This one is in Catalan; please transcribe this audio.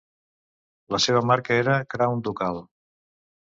La seva marca era Crown Ducal.